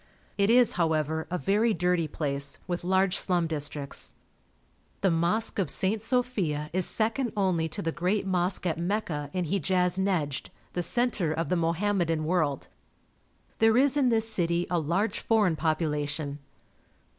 It is, however, a very dirty place, with large slum districts. The Mosque of St. Sophia is second only to the great mosque at Mecca, in Hejaz Nejd, the centre of the Mohammedan world. There is in this city a large foreign population.